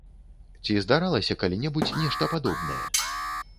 Ці здаралася калі-небудзь нешта падобнае?